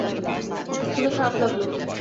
শুনে খারাপ লাগলো।